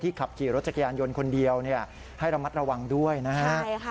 ขับขี่รถจักรยานยนต์คนเดียวให้ระมัดระวังด้วยนะฮะ